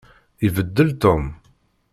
Ibeddel Tom.